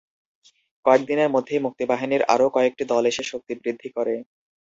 কয়েক দিনের মধ্যেই মুক্তিবাহিনীর আরও কয়েকটি দল এসে শক্তি বৃদ্ধি করে।